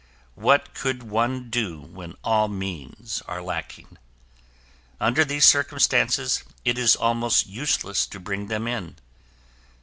What could one do when all means are lacking? Under those circumstances, it is almost useless to bring them in.